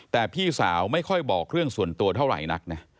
แต่พี่สาวไม่ค่อยบอกเรื่องส่วนตัวเท่าไหร่นักนะ